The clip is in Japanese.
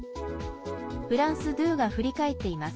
フランス２が振り返っています。